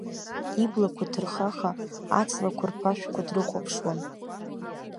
Иблақәа ҭырхаха аҵлақәа рԥашәқәа дрыхәаԥшуан.